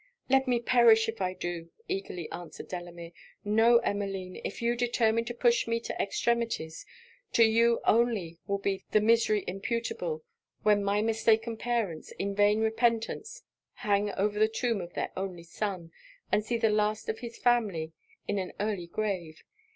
'Let me perish if I do!' eagerly answered Delamere. 'No, Emmeline; if you determine to push me to extremities, to you only will be the misery imputable, when my mistaken parents, in vain repentance, hang over the tomb of their only son, and see the last of his family in an early grave.